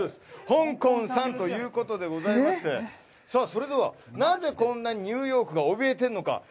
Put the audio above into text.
ほんこんさんということでございましてそれでは、なぜこんなにニューヨークがおびえているのか。